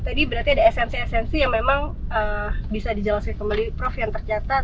tadi berarti ada esensi esensi yang memang bisa dijelaskan kembali prof yang tercatat